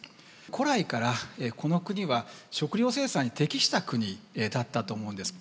古来からこの国は食料生産に適した国だったと思うんです。